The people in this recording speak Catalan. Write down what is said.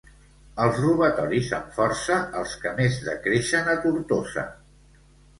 Els robatoris amb força, els que més decreixen a Tortosa.